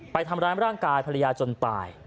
ไปทำร้ายร่างกายภรรยาจนตาย